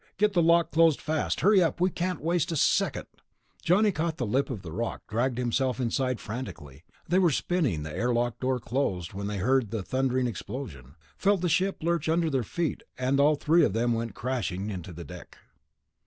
Get the lock closed, fast ... hurry up, can't waste a second." Johnny caught the lip of the lock, dragged himself inside frantically. They were spinning the airlock door closed when they heard the thundering explosion, felt the ship lurch under their feet, and all three of them went crashing to the deck.